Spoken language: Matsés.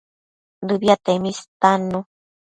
Dëbiatemi istannu